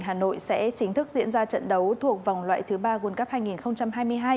hà nội sẽ chính thức diễn ra trận đấu thuộc vòng loại thứ ba world cup hai nghìn hai mươi hai